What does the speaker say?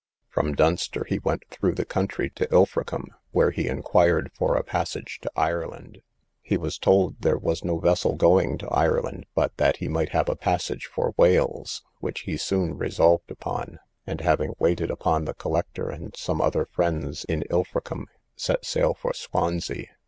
From Dunster he went through the country to Ilfracombe, where he inquired for a passage to Ireland. He was told there was no vessel going to Ireland, but that he might have a passage for Wales, which he soon resolved upon, and, after waiting upon the collector and some other friends in Ilfracombe, set sail for Swansea.